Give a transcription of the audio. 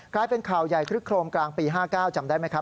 กลายเป็นข่าวใหญ่คลึกโครมกลางปี๕๙จำได้ไหมครับ